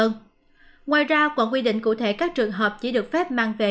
ngoài ra còn quy định cụ thể các trường hợp chỉ được phép mang về